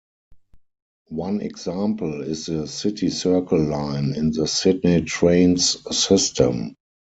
One example is the City Circle line in the Sydney Trains system.